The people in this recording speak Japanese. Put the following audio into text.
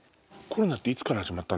コロナっていつから始まった？